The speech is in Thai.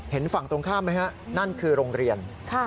เห็นฝั่งตรงข้ามไหมฮะนั่นคือโรงเรียน